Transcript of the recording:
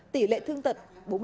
tỷ lệ thương tật bốn mươi một